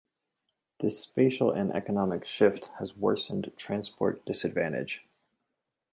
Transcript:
This spatial and economic shift has worsened transport disadvantage.